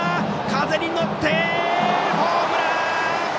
風に乗ってホームラン！